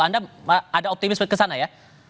anda optimis menuju ke sana ya